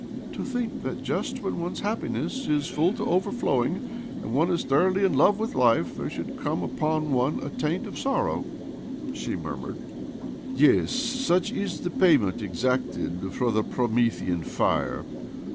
" To think that just when one's happiness is full to overflowing, and one is thoroughly in love with life, there should come upon one a taint of sorrow !" she murmured ." Yes ; such is the payment exacted for the Promethean fire.